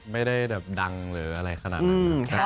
ไม่ได้แบบดังหรืออะไรขนาดนั้น